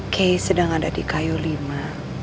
kay sedang ada di kayolima